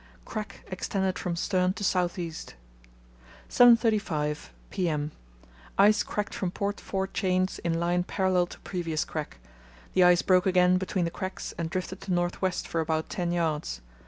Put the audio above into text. Crack extended from stern to south east. 7.35 p.m.—Ice cracked from port fore chains, in line parallel to previous crack. The ice broke again between the cracks and drifted to north west for about ten yards.